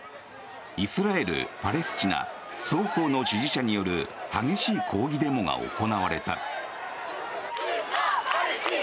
イスラエル、パレスチナ双方の支持者による激しい抗議デモが行われた。